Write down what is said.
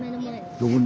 どこに？